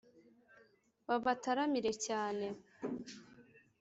babataramire cyane;